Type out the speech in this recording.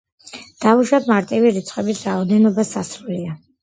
დავუშვათ, მარტივი რიცხვების რაოდენობა სასრულია.